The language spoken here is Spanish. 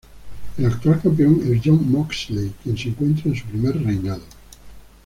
El actual campeón es Jon Moxley quien se encuentra en su primer reinado.